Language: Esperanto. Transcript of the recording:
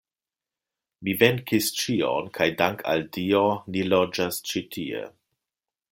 Mi venkis ĉion, kaj dank' al Dio ni loĝas ĉi tie.